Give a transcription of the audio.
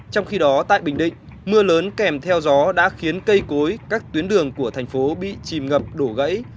trong khi đó tại bình định mưa lớn kèm theo gió đã khiến cây cối các tuyến đường của thành phố bị chìm ngập đổ gãy